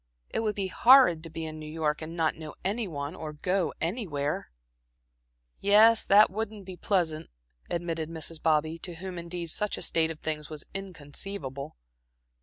It would be horrid to be in New York and not know any one or go anywhere." "Yes, that wouldn't be pleasant," admitted Mrs. Bobby, to whom indeed such a state of things was inconceivable.